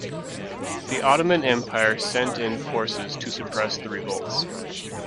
The Ottoman Empire sent in forces to suppress the revolts.